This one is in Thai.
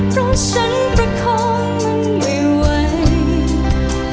เพราะฉันรักคนั้นไม่ไหว